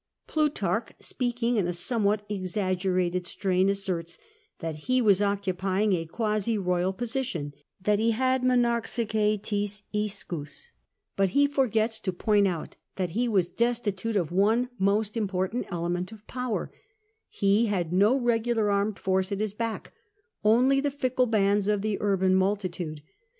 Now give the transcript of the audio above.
Plutarch, speaking in a somewhat exag gerated strain, asserts that he was occupying a quasi royal position, that he had jiovapx^f^V forgets to point out that he was destitute of one most important element of power — he had no regular armed force at his back, only the fickle bands of the urban multitude.